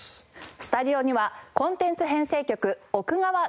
スタジオにはコンテンツ編成局奥川総合編成